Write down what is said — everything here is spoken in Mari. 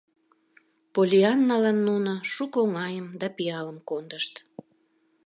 Поллианналан нуно шуко оҥайым да пиалым кондышт.